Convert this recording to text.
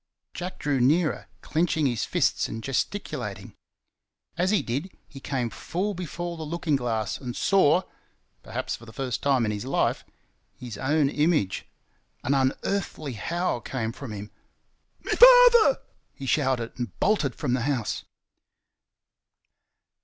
Jack drew nearer, clenching his fists and gesticulating. As he did he came full before the looking glass and saw, perhaps for the first time in his life, his own image. An unearthly howl came from him. "ME FATHER!" he shouted, and bolted from the house.